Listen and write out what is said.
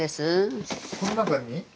この中に？